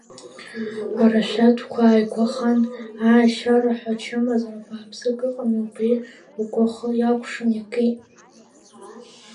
Арашәатәқәа ааигәахан аашьараҳәа чымазара бааԥсык ыҟами убри угәахы иакәшан иакит.